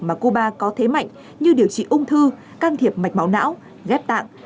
mà cuba có thế mạnh như điều trị ung thư can thiệp mạch máu não ghép tạng